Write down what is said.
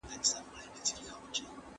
د کندهار مرکزي ښار کندهار دی.